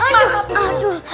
aduh sakit banget